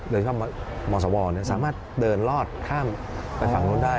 โดยยกว่ามสวสามารถเดินลอดข้ามไปฝั่งนู้นได้